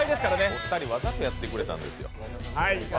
お二人分かってやってくれたんですよ